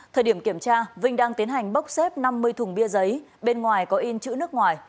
thời điểm kiểm tra vinh đang tiến hành bốc xếp năm mươi thùng bia giấy bên ngoài có in chữ nước ngoài